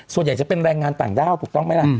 ส่วนใหญ่จะเป็นแรงงานต่างด้าวถูกต้องไหมล่ะ